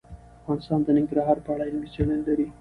افغانستان د ننګرهار په اړه علمي څېړنې لري.